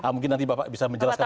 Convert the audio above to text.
mungkin nanti bapak bisa menjelaskan